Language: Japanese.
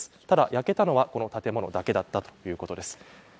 ただ、焼けたのはこの建物だけだったということです。